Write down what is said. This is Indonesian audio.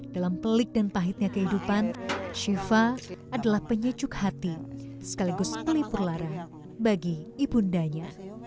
dalam pelik dan pahitnya kehidupan shiva adalah penyejuk hati sekaligus pelipur lara bagi ibundanya